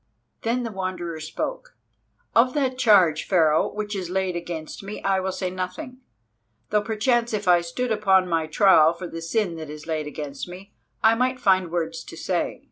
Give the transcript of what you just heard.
Then the Wanderer spoke:— "Of that charge, Pharaoh, which is laid against me I will say nothing, though perchance if I stood upon my trial for the sin that is laid against me, I might find words to say.